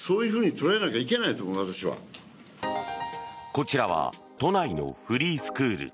こちらは都内のフリースクール。